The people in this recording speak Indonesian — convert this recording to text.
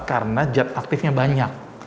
karena jad aktifnya banyak